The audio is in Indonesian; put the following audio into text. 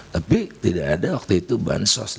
tapi tidak ada waktu itu bantuan sosial